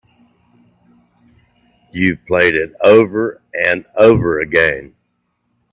You've played it over and over again.